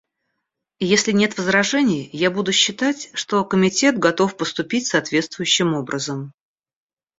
Если нет возражений, я буду считать, что Комитет готов поступить соответствующим образом.